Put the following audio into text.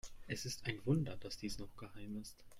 Es ist ein Wunder, dass dies noch geheim ist.